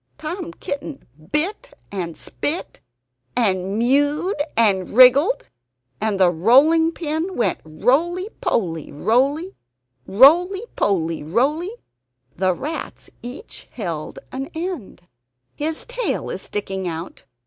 Tom Kitten bit and spit, and mewed and wriggled; and the rolling pin went roly poly, roly; roly poly, roly. The rats each held an end. "His tail is sticking out!